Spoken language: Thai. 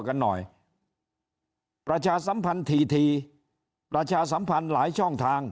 กันหน่อยประชาสัมพันธ์ถี่ทีประชาสัมพันธ์หลายช่องทาง